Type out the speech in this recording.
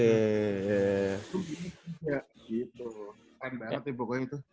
keren banget ya pokoknya itu